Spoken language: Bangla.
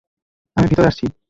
আমি ভিতরে আসছি।